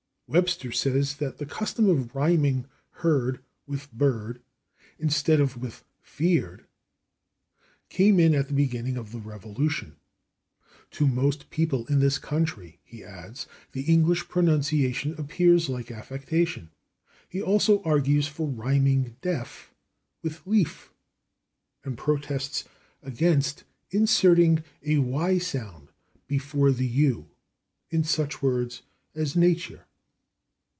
Webster says that the custom of rhyming /heard/ with /bird/ instead of with /feared/ came in at the beginning of the Revolution. "To most people in this country," he adds, "the English pronunciation appears like affectation." He also argues for rhyming /deaf/ with /leaf/, and protests against inserting a /y/ sound before the /u/ in such words as /nature